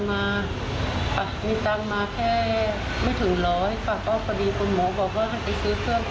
เพราะว่าทางเขตทางทุกช่องเขาต้องการช่วยน้อง